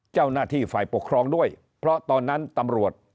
เจ้าหน้าที่ฝ่ายปกครองด้วยเพราะตอนนั้นตำรวจ